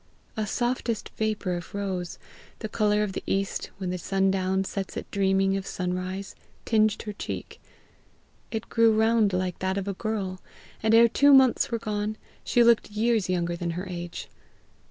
A softest vapour of rose, the colour of the east when sundown sets it dreaming of sunrise, tinged her cheek; it grew round like that of a girl; and ere two months were gone, she looked years younger than her age.